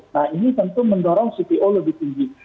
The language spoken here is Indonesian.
nah ini tentu mendorong cpo lebih tinggi